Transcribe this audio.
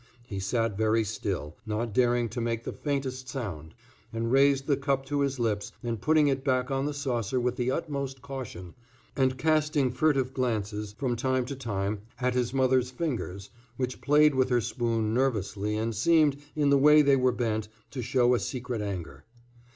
He sat very still, not daring to make the faintest sound, and raising the cup to his lips and putting it back on the saucer with the utmost caution, and casting furtive glances, from time to time, at his mother's fingers, which played with her spoon nervously and seemed, in the way they were bent, to show a secret anger.